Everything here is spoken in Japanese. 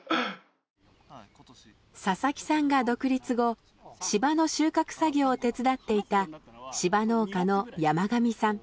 佐々木さんが独立後芝の収穫作業を手伝っていた芝農家の山上さん。